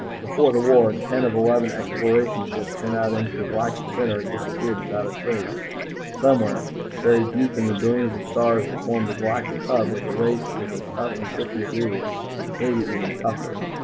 Before the War, ten of eleven exploration ships sent into the galactic center had disappeared without a trace. Somewhere, buried deep in the billions of stars that formed the galactic hub, was a race that was as tough and tricky as we were maybe even tougher.